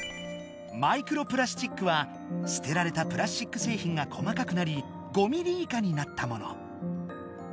マイクロプラスチックはすてられたプラスチックせいひんが細かくなり５ミリ以下になったもの。